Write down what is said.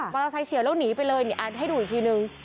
เตอร์ไซค์เฉียวแล้วหนีไปเลยให้ดูอีกทีนึง